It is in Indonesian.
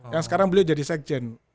yang sekarang beliau jadi sekjen